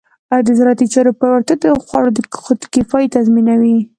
د زراعتي چارو پیاوړتیا د خوړو خودکفایي تضمینوي.